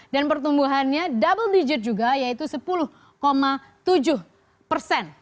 dan pertumbuhannya double digit juga yaitu sepuluh tujuh persen